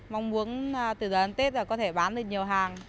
mong muốn từ giờ đến tết có thể bán được nhiều hàng